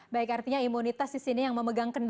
baik artinya imunitas di sini yang memegang kematian ya